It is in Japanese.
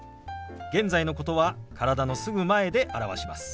現在のことは体のすぐ前で表します。